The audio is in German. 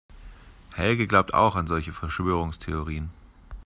Helge glaubt auch an solche Verschwörungstheorien.